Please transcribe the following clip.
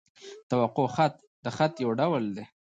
توقع خط؛ د خط یو ډول دﺉ.